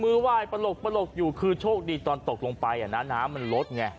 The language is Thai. มือวายประหลกประหลกอยู่คือโชคดีตอนตกลงไปอ่ะนะน้ำมันลดไง